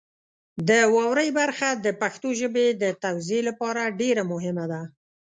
د واورئ برخه د پښتو ژبې د توزیع لپاره ډېره مهمه ده.